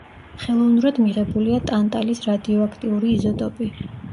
ხელოვნურად მიღებულია ტანტალის რადიოაქტიური იზოტოპი.